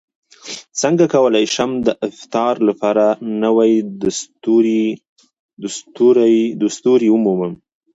څنګه کولی شم د افتار لپاره نوې دستورې ومومم